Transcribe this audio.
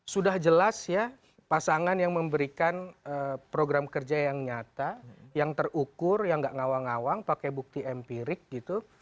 sudah jelas ya pasangan yang memberikan program kerja yang nyata yang terukur yang gak ngawang ngawang pakai bukti empirik gitu